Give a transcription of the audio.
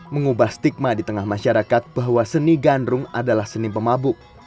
mengubah stigma di tengah masyarakat bahwa seni gandrung adalah seni pemabuk